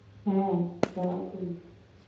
হ্যাঁ, যাও তুমি।